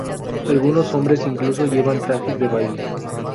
Algunos hombres incluso llevan trajes de baile.